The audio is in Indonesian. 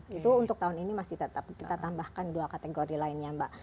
itu untuk tahun ini masih tetap kita tambahkan dua kategori lainnya mbak